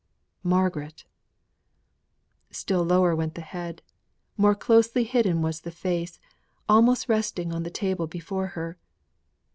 "Margaret!" Still lower went the head; more closely hidden was the face, almost resting on the table before her.